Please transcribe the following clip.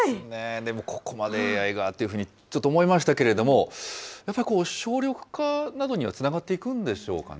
でもここまでＡＩがっていうふうに、ちょっと思いましたけれども、やっぱり省力化などにはつながっていくんでしょうかね。